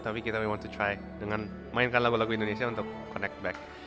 tapi kita we want to try dengan mainkan lagu lagu indonesia untuk connect back